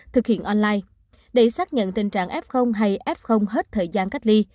thực hiện online để xác nhận tình trạng f hay f hết thời gian cách ly